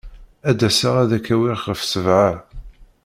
Ad d-aseɣ ad k-awiɣ ɣef sebɛa.